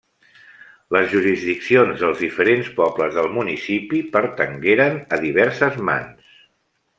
Les jurisdiccions dels diferents pobles del municipi pertangueren a diverses mans.